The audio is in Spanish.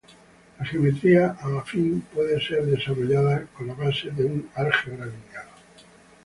La geometría afín puede ser desarrollada con la base de un álgebra lineal.